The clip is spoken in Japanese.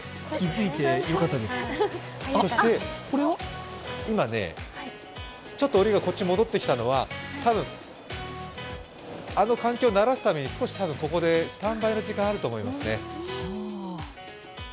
そして、今ね、おりがこっちに戻ってきたのは、多分、あの環境に慣らすためにスタンバイの時間があると思いますね。